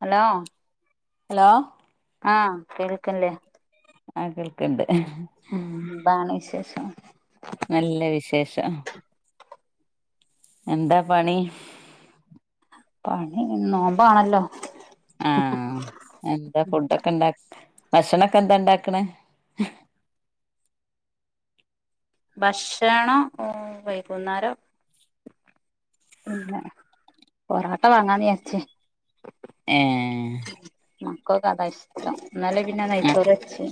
Hello hello ആഹ് കേൾക്ക്ൺല്ലേ ആഹ് കേൾക്ക്ണ്ട് മ് ന്താണ് വിശേഷം നല്ല വിശേഷം എന്താ പണി പണി നോമ്പാണല്ലോ ആഹ് എന്താ ഫുഡൊക്കെ ണ്ടാക് ഭക്ഷണൊക്കെന്താ ണ്ടാക്ക്ണെ ഭക്ഷണം മ് വൈകുന്നാരം മ് പൊറോട്ട വാങ്ങാന്ന് വിചാരിച്ചേ ഏഹ് മക്കൊ അതാ ഇഷ്ട്ടം ഇന്നലെ പിന്നെ നെയ്ച്ചോറ് വെച്ച്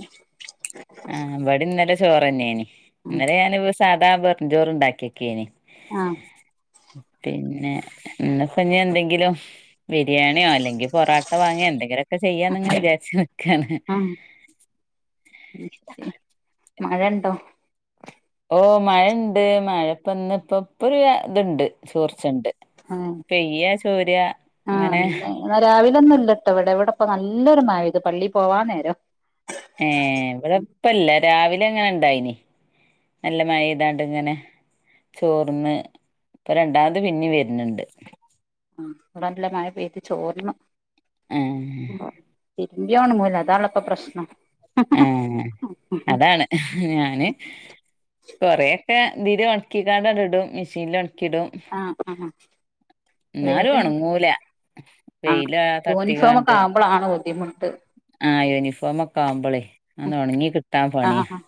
ആഹ് ബടീം ഇന്നലെ ചോറെന്നേയ്നി ഉം ഇന്നലെ ഞാന് സാധാ വെറും ചോറ്ണ്ടാക്കിക്കെയ്നി ആഹ് പിന്നെ ന്ന്പ്പഞ്ഞി എന്തെങ്കിലും ബിര്യേണിയോ അല്ലെങ്കി പൊറോട്ട വാങ്യേ എന്തെങ്കിലൊക്കെ ചെയ്യാന്ന് ങ്ങനെ വിചാര്ച്ച് ന്ക്കാണ്. ആഹ് മഴണ്ടോ ഓ മഴണ്ട് മഴപ്പ ന്ന്പ്പൊ പ്പൊര് ത്ണ്ട് ചോർച്ചണ്ട്. ആഹ് പെയ്യാ ചോര്ആ ങ്ങനെ രലൊന്നുല്ലട്ടോ വടെ വടെപ്പ നല്ലൊരു മഴയെതു പള്ളി പോവാനേരം. ഏ വടെപ്പല്ല രാവിലെ ങ്ങനെണ്ടായ്നി നല്ല മഴേയ്താണ്ട്ങ്ങനെ ചോർന്ന് പ്പ രണ്ടാമത് പിന്നീം വെര്ണ് ണ്ട് ആഹ് ഇവടല്ല മഴ പെയ്ത് ചോർന്നു ഏ മ്പ്യാ ഒൺങ്ങൂല അതാണല്ലോപ്പപ്രശ്നം ഏ അതാണ് ഞാന് കൊറേക്കെ തില് ഒൺക്കിക്കാണ്ടണ്ട്ടും മെഷീനിൽ ആഹ് ആഹ് ന്നാലും വെയില് ഒണങ്ങൂല ആഹ് വെയ്ല് യൂണിഫോം ഒക്കെ തട്ടിങ്കാണ്ട് ആവുമ്പോളാണ് ബുദ്ധിമുട്ട് ആഹ് യൂണിഫോമൊക്കെ ആവുമ്പളേ അഒന്ന് ഒണങ്ങി കിട്ടാം ആഹ് പണ്യാ. ആഹ്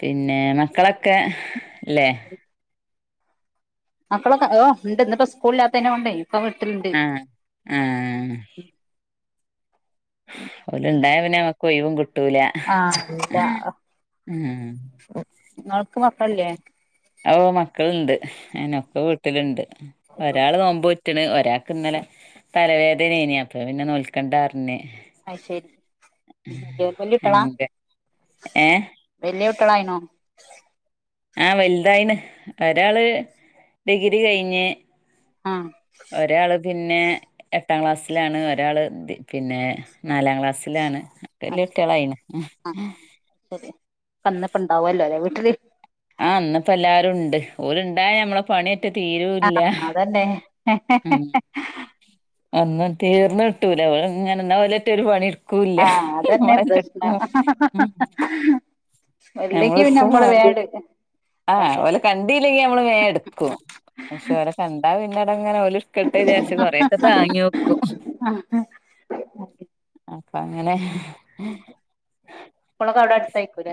പിന്നെ മക്കളക്കെ ലെ മക്കളൊക്കെ ഓഹ് ണ്ട് ന്ന്പ്പോ സ്കൂളില്ലാതേന കൊണ്ടയ് അവിടുത്രുണ്ട് ആഹ് ഓര്ണ്ടായ പിന്നെ നമുക്ക് ഒഴിവും കിട്ടുല ആഹ് ഇല്ല ഉം നിങ്ങൾക്ക് മക്കളല്ലേ ഓ മക്കളുണ്ട് അനൊക്കെ വീട്ടിലുണ്ട് ഒരാള് നോമ്പോ ഒരാൾക്ക് ഇന്നലെ തലവേദനേന അപ്പ പിന്നെ നോൽക്കേണ്ട പിന്നെ അത് ശരി വല്യ വല്യ കുട്ടികളാ എന്റെ എ കളായിനോ ആ വലുതായിന് ഒരാള് ഡിഗ്രി കഴിഞ്ഞ് ആ ഒരാള് പിന്നെ എട്ടാം ക്ലാസ്സിലാണ് ഒരാൾ പിന്നെ നാലാം ക്ലാസ്സിലാണ് അത് ശരി ല്ലട്ടികളായിന [unintelligible] തന്നിപ്പ ഉണ്ടാവൂല്ലേ വീട്ടിലെ [unintelligible] തീരൂല ആഹ് അതന്നെ ഉം ഒന്നും തീർന്ന്കിട്ടൂല അവ ഇങ്ങനത്തെഒരോത്തെ പണി ആഹ് അതന്നെ പ്രശ്നം [unintelligible] ഞമ്മൾ അല്ലെങ്കി പിന്നെ ഇപ്പ നമ്മള് വേട് വേണ്ടല്ല ആ പണ്ട് ഒരാ കണ്ടിയില്ലെങ്കി നമ്മള് വേ എടുക്കും പക്ഷെ ഒരാ കണ്ടാ പിന്നെ എടങ്ങാറാവുല്ലേ ഇടുക്കട്ടെ ഏകശം കൊറെൊക്കെ താങ്ങിോക്കും ആഹെ അപ്പ അങ്ങനെ ഉ കുളക്ക് അവിടെ അടുത്ത ആയിക്കൂല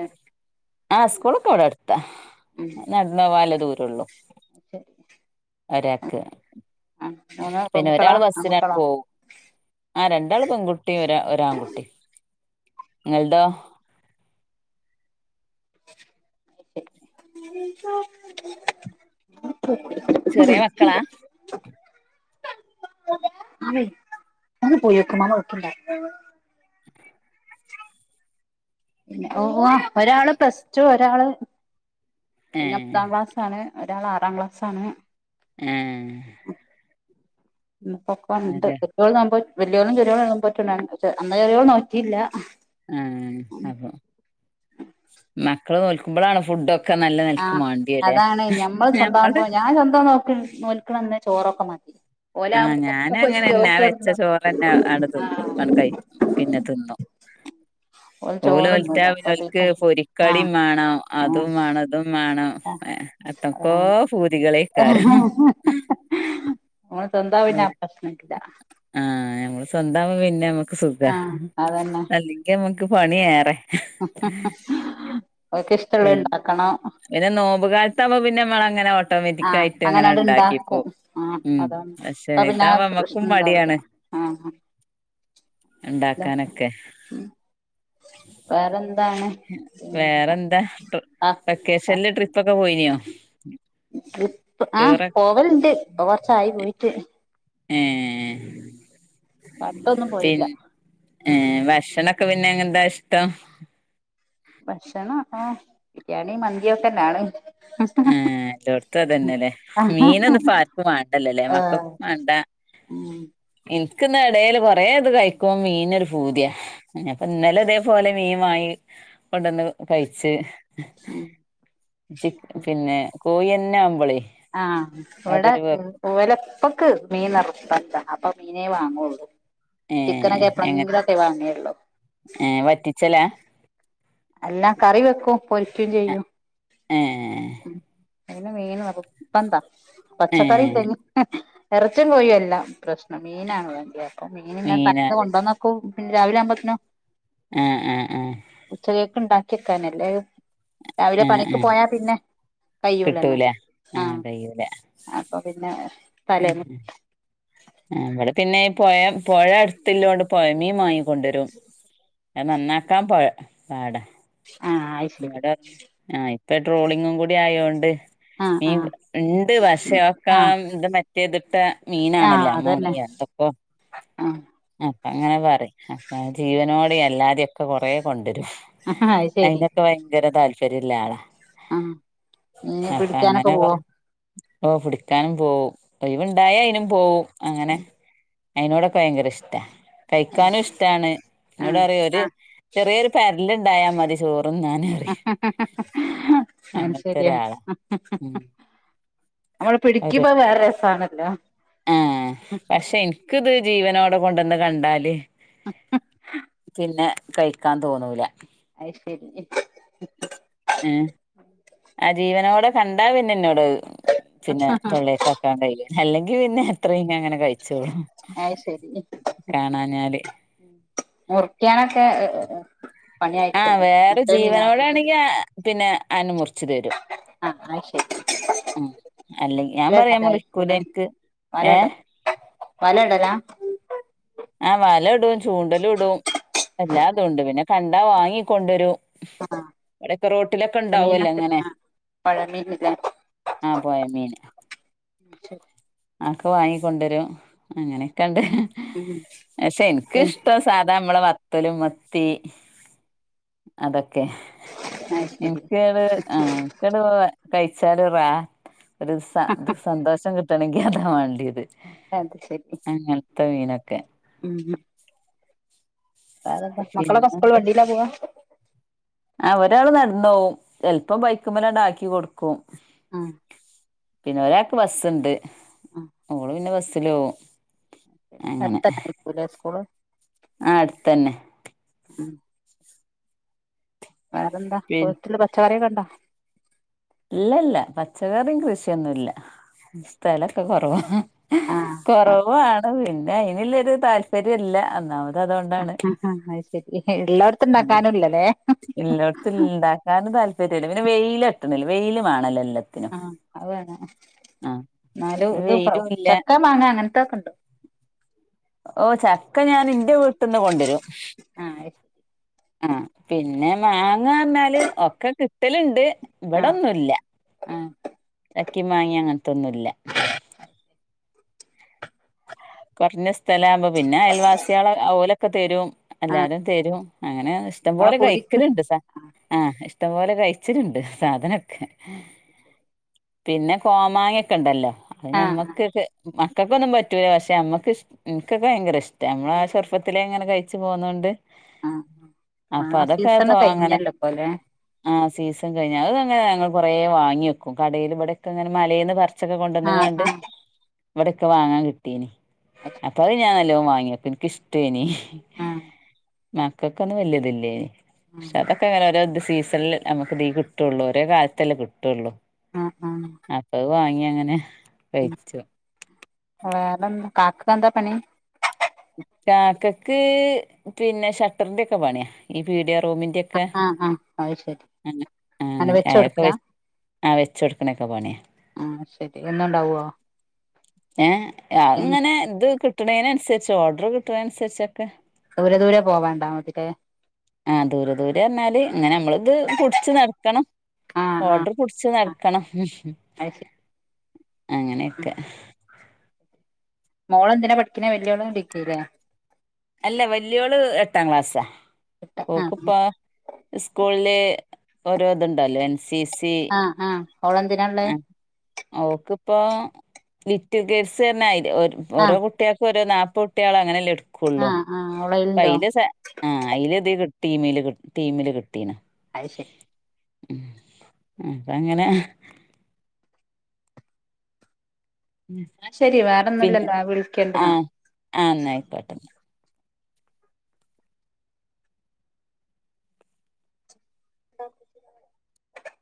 ആഹ സ്കൂളക്കോവിടെ അടുത്ത നടന്ന പോവാല് ദൂരള്ളൂ അ ശരി [unintelligible] ഒരക്ക് ആ മൂന്ന് പെൺകുട്ടികളെ ആൺകുട്ടികളാ ആ രണ്ടാള് പെൺകുട്ടി ഒരാ ഒരാ ആൺകുട്ടി നിങ്ങൾന്താ [inaudible] [inaudible] ചെറിയ മക്കളാ അവ ഒ പോയി വെക്കമാ വക്കണ്ട [unintelligible] പിന്ന ഓ ഓ ഒരാള് പ്ലസ് ടു ഒരാള് പിന്നെ ഏഹ് പത്താംക്ലാസ് ആണ് ഒരാൾ ആറാം ക്ലാസ്സാണ് എ ഇപ്പൊക്ക ഒണ്ട് [unintelligible] ൾ വെല്ല്യേളും ചെറ്യോളും നോമ്പൊറ്റ്ണ് അന്നെ ചെറ്യോള് നോറ്റിയില്ല [unintelligible] ആഹ് അപ്പൊ നല്ല നെൽക്ക് ആഹ് മാണ്ട്യല്ലേ അതാണ് ഞമ്മൾ സ്വന്തം ഞമ്മള് ആകുമ്പോ ഞാൻ സ്വന്തം നോക്കി നോൽക്ക്ണന്ന് ചോറൊക്കെ മതി ആഹ് ഞാനങ്ങനെന്നെ ആ ഓലൊവുമ്പൊ വെച്ച ചോറന്നെ ആണ്ട് [unintelligible] തിന്നും ആഹ് ആണ്ട് കഴിക്കും പിന്നെ തിന്നും [unintelligible] [inaudible] ഓല് ഓൽത്താ പിന്നെ ഓൽക്ക് ആ പൊരിക്കടിം ആ അത് മാണം ഇതു മാണം എത്തക്കോ അതാണ് പൂതികളേക്കാരം നമ്മള് സ്വന്തം പിന്നെ ആ ഓര് പ്രശ്നമില്ല ആഹ് ഞങ്ങള് സ്വന്താവുമ്പം പിന്നെമ്മക്ക് സുഖ ആഹ് അതന്നെ അല്ലെങ്കി നമ്മക്ക് പണി ഏറെ ഓക്ക് ഇഷ്ടള്ളത് പിന്നെ ഇണ്ടാക്കണം പിന്നെ നോമ്പുകാലത്താവുമ്പോ പിന്നെ നമ്മളങ്ങനെ ഓട്ടോമേ, റ്റിക് ആഹ് ആയിട്ട് അങ്ങനെ അത് ഇണ്ടാക്കിപ്പോ ഇണ്ടാക്കും ആഹ് ഉം അതാണ് പക്ഷേ അപ്പൊ പിന്നെ ആ ഇതാവുമ്പ പ്രശ്നം ഉണ്ടാവില്ല നമുക്കുപടിയാണ് ആഹ് ഇല്ല ഇണ്ടാക്കാനൊക്കെ വേറെന്താണ് പിന്നെ വേറെന്താ വെക്കേഷനിൽ ട്രിപ്പ് ഒക്കെ ഇപ്പ ആഹ ടൂറൊ പോവലുണ്ട് ഇപ്പോ കുറച്ചായി പോയിട്ട് ഏ അടുത്തൊന്നും [unintelligible] പോയില്ല പിന്നെഭക്ഷണം പിന്നെ [unintelligible] ങ്ങെന്താ ഇഷ്ട ഭക്ഷണം ആ ബിരിയാണിയും മന്തിയയും ഒക്കെന്നാണ് ഏഹ് എല്ലോട്ത്തും അത് തന്നെല്ലേ മീൻ ഒന്നും ഇപ്പോ ആർക്കും വേണ്ടല്ലല്ലേ മക്കൾക്കും വേണ്ട ഉം [unintelligible] ഇക്കൊന്ന് [unintelligible] എടേല് കൊറേ [unintelligible] ഇത് കഴിക്കുമ്പോ മീനിനൊരു പൂതിയ അപ്പോ ഇന്നലതേപലെ മീൻ വാങ്ങി കൊണ്ടന്ന് കഴിച്ച് ചിക് ഉം പിന്നെ കോഴിയെന്നെ ആവുമ്പളെ ആഹ ഇവിടെ ഒലെ ഉപ്പയ്ക്ക് മീൻ നിർബന്താ അപ്പൊ മീനേ വാങ്ങുള്ളു ഏഹ് ചിക്കനൊക്കെ എങ്ങ എപ്പഴെങ്കിലുംക്കെ വാങ്ങിയള്ളൂ ഏഹ് വറ്റിച്ചലാ എല്ലാ കറി വെക്കും പൊരിക്കയും ചെയ്യും [unintelligible] ആഹ [unintelligible] അെ മീനപ്പ എന്താ പച്ചക്കറി ഏഹ് ഇന്തെ ഇറച്ചിയും കോഴിയും അല്ല പ്രശ്നം മീനാണ് വേണ്ടിയ അപ്പ മീൻ [unintelligible] ഇങ്ങെ [unintelligible] തന്നത് മീനാലെ കൊണ്ട ന്നെക്കും [unintelligible] ഇല്ല രാവിലെ [unintelligible] ആകുമ്പോത്തിനോ ഉം ഉ ഉ [unintelligible] കേക്ക് ഉണ്ടാക്കി വെക്കാനല്ലേ രാവിലെ ആഹ് പണിക്ക് ആഹ് പോയാ പിന്നെ കയ്യൂലല്ലോ കിട്ടൂല ആഹ ആഹ് കയ്യൂല അപ്പൊ പിന്നെ [unintelligible] തലേന്ന് ഇവിടെ പിന്നെ പുഴ പുഴ അടുത്തുള്ള തോണ്ട് പുഴമീൻ വാങ്ങി കൊണ്ടുവരും അത് നന്നാക്കാൻ [unintelligible] പോ പാടാ ആഹ് അയ്ശരി എന്നോട് പറഞ്ഞു ആ ഇപ്പൊ ട്രോളിങ്ങും കൂടി ആയോണ്ട് ആഹ് മീൻ ആഹ് ഉണ്ട് [unintelligible] പഷൊക്കെ ആഹ് ഇത് മറ്റേതിട്ട ആഹ് മീനാണല്ലോ അതന്നെ മോണിയ പ്പ ആഹ് അപ്പൊ അങ്ങനെ പറയും അപ്പ ജീവനോടെ എല്ലാതെയും ഒ കൊറെ കൊണ്ടുവരും അത് ശരി അതിനൊക്കെ ഭയങ്കര താല്പര്യം ഇല്ല ആളാ ആഹ് മീന് അപ്പൊ പിടിക്കാനൊക്കെ അങ്ങനെ പോവോ പറിം ഓ പിടിക്കാനും പോവും ഒഴിവുണ്ടായാൽ അയിനും പോവും അങ്ങനെ അതിനോടൊക്കെ ഭയങ്കര ഇഷ്ടാ കഴിക്കാനും ഇഷ്ടാണ് എന്നോട് ആഹ് പറയും ഒരു ആഹ് ചെറിയൊരു പരൽ ഉണ്ടായാ മതി ചോറ് അത് അങ്ങനത്തെ ശരിയാ ഒരാളാ ഉം നമ്മള് ഒരു പിടിക്കുമ്പോ വേറെ രസാണല്ലോ ആഹ് പക്ഷെ എനിക്കിത് ജീവനോടെ കൊണ്ടന്ന് കണ്ടാല് പിന്നെ കഴിക്കാൻ തോന്നൂല അയ് ശരി ഉ ആ ജീവനോടെ കണ്ടാ പിന്നെന്നോട് പിന് തെളളേളക്ക് ചെക്കാൻ കഴയില്ല അല്ലെങ്കിൽ പിന്നെ അത്രയും അങ്ങനെ കഴിച്ചോളും അത് ശരി കാണാഞാല് മുറിക്കാനൊക്കെ ആ പണിയായിരിക്കല്ലോ വേറെ മറ്റേ ജീവനോട മീനാവുമ്പോ ആണെങ്കി പിന്നെ അനു മുറിച്ചു തരും ആഹ് അത് ശരി ആ അല്ലെ ഞാൻ വല പറയാ ഇടലായിരിക്കുംല്ലേ മുറിക്കൂലേക്ക് വല ഏ ഇട വല ഇടലാ ആ വല ഇടും ചൂണ്ടലും ഇടും എല്ലാതും ഉണ്ട് പിന്നെ കണ്ടാ വാങ്ങിക്കൊണ്ടുവരും ഇവിടൊക്കെ റോട്ടിലൊക്കെ ഉണ്ടാവുല്ലോ മീനൊക്കെ അങ്ങനെ ആഹ് പൊഴമീനില്ലേ ആഹ് പൊയ മീന് അ ശരി ഒക്കെ വാങ്ങി കൊണ്ടുവരും അങ്ങനെയൊക്കെയ ഉണ്ട് ഉം പക്ഷെ പിന്നെ എനിക്കിഷ്ട സാധാ നമ്മളെ പത്തലും മത്തി അതൊക്കെ അത് ക്കെ, ശരി ഇൻക്കൊരു ആഹ് ഇൻക്കതു കഴിച്ചാല് റാഹ ഒരു സ ഇത് സന്തോഷം കിട്ടണെങ്കി അതാ മാണ്ടിയത്. അത് ശെരി. ക്കെ മീനൊക്കെ ഹ്മ്മ് വെറെന്താ, മക്കളെക്കെ സ്കൂള്ല് വണ്ടിലാ പോവാ ആഹ് ഒരാള് നടന്നോവും ചല്പ്പം ബൈക്ക്മലണ്ടാക്കി കൊടുക്കും. ആഹ് പിന്നെ ഒരാക്ക് ബസ്സ്ണ്ട് ആ ഓള് പിന്നെ ബസ്സിലോവും. അട്ത്തഞ്ഞയിരുക്ക്ല്ലേ സ്കൂള്? തന്നെ ഉം. വേറെന്താ പിൻ വീട്ടില് പച്ചക്കറിയൊക്കെ ണ്ടോ? ല്ല ല്ല പച്ചക്കറിയും കൃഷിയൊന്നുല്ല സ്ഥലൊക്കെ കൊറവാ. ആ അത് കൊറവാണ് പിന്നെ അയിനുള്ളരു താല്പര്യല്ല ഒന്നാമ അതുണ്ടാണ് അത് ശരി ഉള്ളോടത്ത് ഇണ്ടാക്കാനും ഇല്ലല്ലേ ഇല്ലടത്തിണ്ടാ കാരണം താല്പര്യമല്ല പിന്നെ വെയിലട്ട്ണില്ല വെയിൽ മാണല്ലോ ല ആഹ് അതെന്നെ ആഹ് ന്നാലും ഓക്ക് വെയിലും ഇല്ല ചക്ക മാങ്ങ അങ്ങനത്തൊക്കെ ഇണ്ട് ഓഹ് ചക്ക ഞാന് ഇന്റെ വീട്ട്ന്ന് കൊണ്ടുരും ആ അത് ശരി ആഹ് പിന്നെ മാങ്ങാർന്നാല് ഒക്കെ കിട്ടല്ണ്ട് ആ ഇവിടൊന്നുല്ല ആ ചക്കിം മാങ്ങിൻ അങ്ങൻത്തൊന്നുല്ല കൊർഞ്ഞ സ്ഥലാവുമ്പോ പിന്നെ അയൽവാസിയാള് ഓലൊക്കെ തെരും ആ എല്ലാരും തെരും അങ്ങനെ ഇഷ്ടം നമ്മളെ പോലെ പൂതിക്ക് കഴിക്കലുണ്ട് സ ആഹ് ഇഷ് ഇഷ്ടംപോലെ കഴ്ച്ചലുണ്ട് സാധനൊക്കെ പിന്നെ കോമാങ്ങൊക്കെണ്ടല്ലോ അത് ആ ആ ഞമ്മക്ക് പെ മക്കൾക്കൊന്നും പറ്റൂല പക്ഷ നമ്മക്ക് ഇഷ് ഇൻക്കൊക്കെ ഭയങ്കര ഇഷ്ടാ നമ്മളാ ചെർപ്പത്തിലെ അങ്ങനെ കഴിച്ച് പോന്നോണ്ട് ആ അപ്പൊ മാങ്ങ അതൊക്കെ തോ സീസണ് അങ്ങനെ കഴിഞ്ഞല്ലോ ഇപ്പോല്ലേ ആഹ് സീസൺ കഴിഞ്ഞ് അത് അങ്ങനെ ഞങ്ങളും കൊറേ വാങ്ങി വെക്കും കടേല് ഇവിടെക്കെ ഇങ്ങനെ മലേന്ന് പർച്ചൊക്കെ ആ കൊണ്ടന്ന്ങ്ങാണ്ട്. ആ ഇവിടെക്കെ വാങ്ങാൻ കിട്ടീനി ആ അപ്പൊ അത് ഞാൻ നല്ലോ വാങ്ങിവെക്കും എനിക്കിഷ് ടേനി മക്കൾക്കൊന്നും വല്ല്യതില്ലേനി പക്ഷെ അതൊക്കെ അങ്ങനെ ഓരോ ഇത് സീസണ്ല് നമുക്ക് ഇതേ കിട്ടുള്ളൂ ഒരേ കാലത്തല്ലേ കിട്ടുള്ളൂ. ആ ആ അപ്പൊവാങ്ങിയ അങ്ങനെ കയിച്ചു മമ് കാക്കക്ക് എന്താ പണി കാക്കക്ക് പിന്നെ ഷട്ടറിന്റെ ഒക്കെ പണിയ ഈ പീടിയ റൂമിന്റെ ഒക്കെ ആ ആ അത് ശരി അങ്ങനെ വെച്ച് അതൊക്ക കൊടുക്കാ ആഹ് വെച്ചൊട്ക്ക്ണൊക്കെ പണിയ ആ ശരി എന്നും ഉണ്ടാവോ ഏഹ് അഹ് എന്നും ഇങ്ങനെ ഇത് കിട്ട്ണേണൻസർച്ച് ഓഡ്ർ കിട്ട്ണൻ സരിച്ചൊക്കെ ദൂരെ ദൂരെ പോവാണ്ടാവ ആഹ് ദൂരെ ദൂരെ പർനാല് ഇങ്ങനെ നമ്മള്ത് പുട്ച്ച് നട്ക്കണം. ആഹ് ആഹ് ഓഡ്ർ പുട്ച്ച് ആഹ് നട്ക്കണം അത് ശരി ഉം അങ്ങനെക്കെ മോളെന്തിനാ പഠിക്കുന്നേ വല്ല്യോള് ഡിഗ്രീ ലെ അല്ല വല്ല്യോള് എട്ടാം ക്ലാസ്സാ ആഹ് ഓക്ക് ഇപ്പ സ്കൂള്ല് ഓരോ ഇത്ണ്ടല്ലോ ര സി സി ആഹ് ആഹ് ഓളെന്തിനാള്ളേ ആഹ് ഓക്ക് ഇപ്പോ ലിറ്റിൽ [unintelligible] സ് ഓരോ ആഹ് കുട്ടിയേക്കും ഓരോന്നാ അപ്പൊ കുട്ടികൾ അങ്ങനെല്ലേ എടുക്കുള്ളൂ ആഹ് ആഹ് അപ്പൊ ഓളയിലുണ്ടോ അല ആ അല ഇത് ക ടീമിൽ ടീമിൽ കിട്ടീന അത് ശരി ഉ അത അങ്ങനെ ന്ന ശരി വേറെ പിന്നെ ഒന്നുമില്ലല്ലോ ആ വിളിക്കേണ്ടന്നാ ആ എന്നായിക്കോട്ടെ ആ